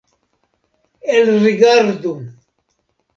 Elrigardu!